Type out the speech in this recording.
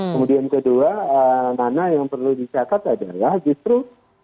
kemudian kedua nana yang perlu dicatat adalah justru